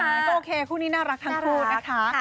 ใช่โอเคคู่นี้น่ารักทั้งคู่นะคะน่ารักค่ะ